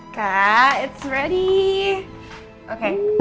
kak sudah siap